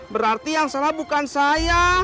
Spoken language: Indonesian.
berarti yang salah bukan saya